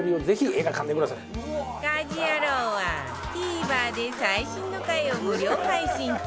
『家事ヤロウ！！！』は ＴＶｅｒ で最新の回を無料配信中